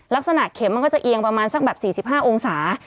ลักษณะเข็มมันก็จะเอียงประมาณสักแบบ๔๕องศา